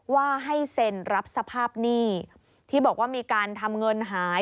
ว่าให้เซ็นรับสภาพหนี้ที่บอกว่ามีการทำเงินหาย